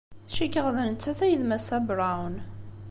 Cikkeɣ d nettat ay d Massa Brown.